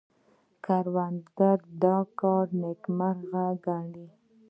کروندګر د کار نیکمرغي ګڼي